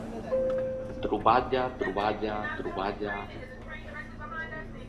Troballa, troballa, troballa...